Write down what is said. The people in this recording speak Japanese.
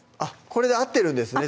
これで合ってるんですね